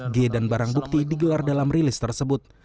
g dan barang bukti digelar dalam rilis tersebut